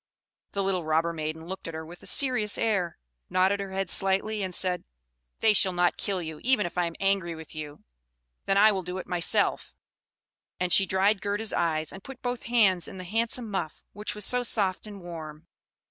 The little robber maiden looked at her with a serious air, nodded her head slightly, and said, "They shall not kill you, even if I am angry with you: then I will do it myself"; and she dried Gerda's eyes, and put both her hands in the handsome muff, which was so soft and warm.